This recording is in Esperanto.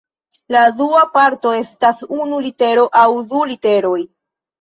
La dua parto estas unu litero aŭ du literoj.